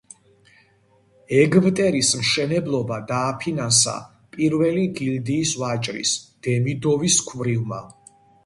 ეგვტერის მშენებლობა დააფინანსა პირველი გილდიის ვაჭრის დემიდოვის ქვრივმა.